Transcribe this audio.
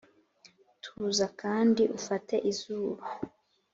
tuza kandi ufate izuba